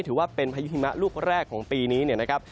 ถือว่าเป็นพยุ่งฮิมะลูกแรกของปีนี้นะครับ